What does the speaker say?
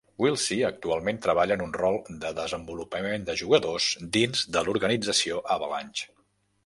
Willsie actualment treballa en un rol de desenvolupament de jugadors dins de l'organització Avalanche.